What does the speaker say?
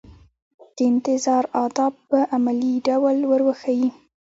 د انتظار آداب په عملي ډول ور وښيي.